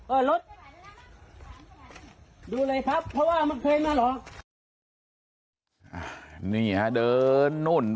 เออรถดูเลยครับเพราะว่ามันเคยมาหรอก